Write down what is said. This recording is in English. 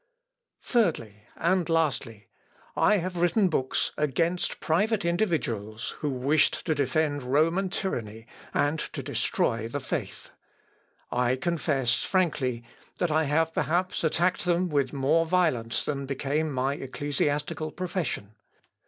"Thirdly and lastly, I have written books against private individuals who wished to defend Roman tyranny and to destroy the faith. I confess frankly that I have perhaps attacked them with more violence than became my ecclesiastical profession.